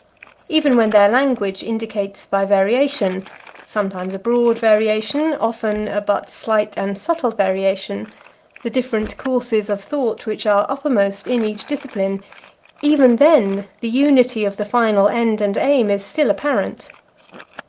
Even when their language indicates by variation, sometimes a broad variation, often a but slight and subtle variation, the different courses of thought which are uppermost in each discipline, even then the unity of the final end and aim is still apparent.